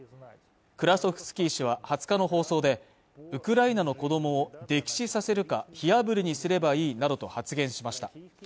クラソフスキー氏は２０日の放送でウクライナの子供を溺死させるか火あぶりにすればいいなどと発言しました